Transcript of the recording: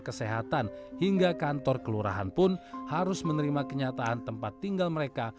kesehatan hingga kantor kelurahan pun harus menerima kenyataan tempat tinggal mereka